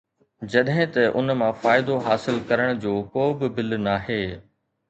جڏهن ته ان مان فائدو حاصل ڪرڻ جو ڪو به بل ناهي